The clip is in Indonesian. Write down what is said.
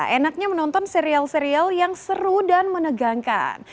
enaknya menonton serial serial yang seru dan menegangkan